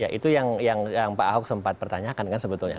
ya itu yang pak ahok sempat pertanyakan kan sebetulnya